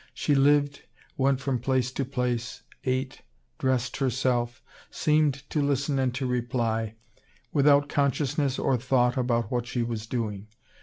She lived, went from place to place, ate, dressed herself, seemed to listen and to reply, without consciousness or thought about what she was doing.